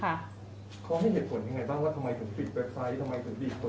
เขาให้เหตุผลยังไงบ้างว่าทำไมถึงปิดเว็บไซต์ทำไมถึงบีบตัว